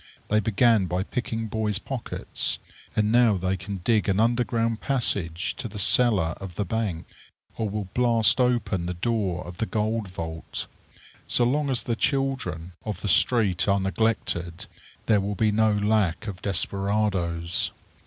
They began by picking boys' pockets, and now they can dig an underground passage to the cellar of the bank, or will blast open the door of the gold vault. So long as the children of the street are neglected there will be no lack of desperadoes.